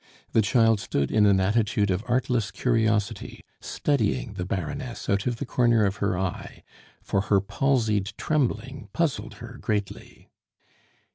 The child stood in an attitude of artless curiosity, studying the Baroness out of the corner of her eye, for her palsied trembling puzzled her greatly.